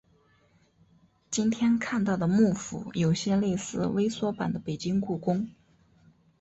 今天看到的木府有些类似微缩版的北京故宫。